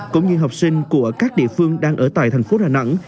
cũng như học sinh của các địa phương đang ở tại thành phố đà nẵng